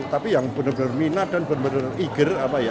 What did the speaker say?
tapi yang benar benar minat dan benar benar eager